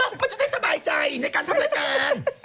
ก็จะได้สบายใจในการทำรายการ